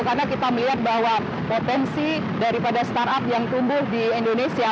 karena kita melihat bahwa potensi daripada startup yang tumbuh di indonesia